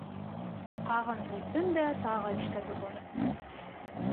Ҡағын-һөртөн дә, тағы эшкә тотон.